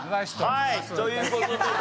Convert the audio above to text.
はいという事で。